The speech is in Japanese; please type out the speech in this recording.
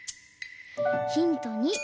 ヒント２。